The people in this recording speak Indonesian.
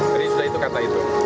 jadi sudah itu kata itu